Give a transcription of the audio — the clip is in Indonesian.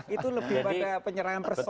itu lebih pada penyerangan personal